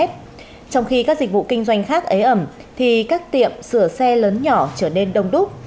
trong khi các dịch vụ kinh doanh khác ế ẩm thì các tiệm sửa xe lớn nhỏ trở nên đông đúc